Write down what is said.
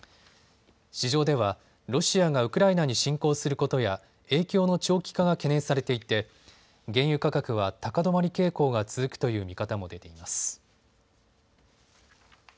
市場ではロシアがウクライナに侵攻することや影響の長期化が懸念されていて原油価格は高止まり傾向が続くという見方も出ています。